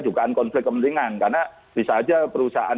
yang mungkin tidak nyaman